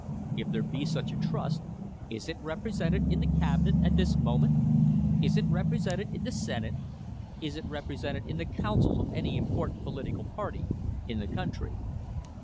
... If there be such a trust, is it represented in the Cabinet at this moment? Is it represented in the Senate? Is it repre sented in the councils of any important political party in the country?"